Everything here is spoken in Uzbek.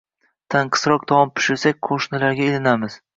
Tansiqroq taom pishirsak, qo‘shnilarga ilinamiz.